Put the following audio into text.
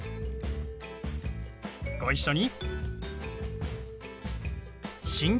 ご一緒に。